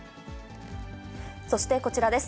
そしてこちらです。